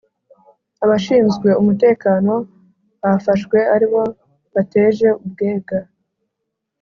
Abashinzwe umutekano bafashwe aribo bateje ubwega